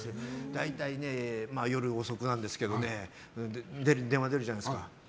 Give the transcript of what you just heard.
大体夜遅くなんですけど電話出るじゃないですか。